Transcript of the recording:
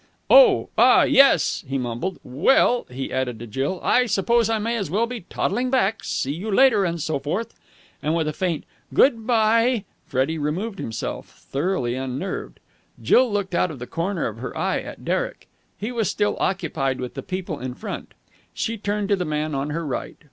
"Oh, ah, yes," he mumbled. "Well," he added to Jill, "I suppose I may as well be toddling back. See you later and so forth." And with a faint "Good bye ee!" Freddie removed himself, thoroughly unnerved. Jill looked out of the corner of her eye at Derek. He was still occupied with the people in front. She turned to the man on her right.